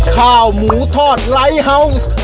ข้าวหมูทอดไลท์เฮาวส์